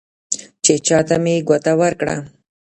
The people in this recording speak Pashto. چې چا ته مې ګوته ورکړه،